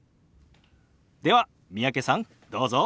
では三宅さんどうぞ。